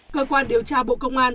cơ quan điều tra bộ công an